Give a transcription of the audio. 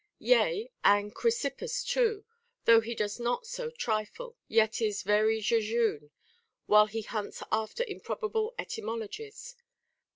Yea, and Chry sip pus too, though he does not so trifle, yet is very jejune, while he hunts after improbable etymologies.